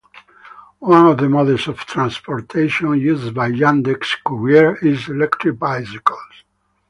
One of the modes of transportation used by Yandex couriers is electric bicycles.